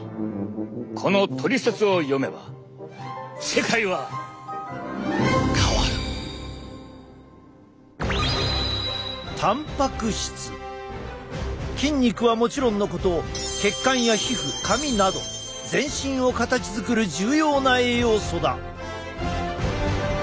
このトリセツを読めば筋肉はもちろんのこと血管や皮膚髪など全身を形づくる重要な栄養素だ！